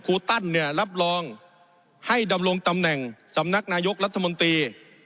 ตันเนี่ยรับรองให้ดำรงตำแหน่งสำนักนายกรัฐมนตรี